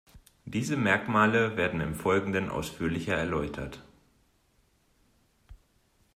Diese Merkmale werden im Folgenden ausführlicher erläutert.